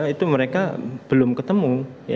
itu mereka belum ketemu